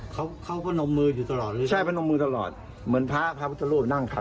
ตรวจสอบแล้วตอนนี้ปลอดภัยดีนะคะ